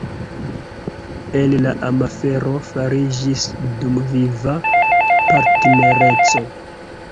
El la amafero fariĝis dumviva partnereco.